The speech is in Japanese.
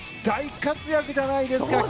大活躍じゃないですか。